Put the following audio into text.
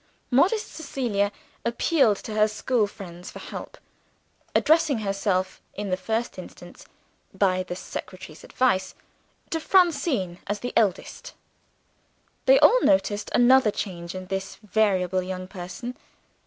Modest Cecilia appealed to her school friends for help; addressing herself in the first instance (by the secretary's advice) to Francine, as the eldest. They all noticed another change in this variable young person.